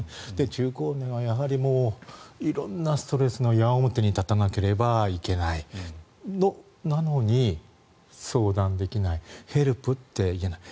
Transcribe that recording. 中高年はやはり色んなストレスの矢面に立たなければならないなのに相談できないヘルプって言えない。